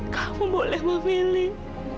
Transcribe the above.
kamu boleh memilih